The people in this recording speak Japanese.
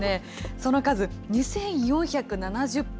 その数２４７０本。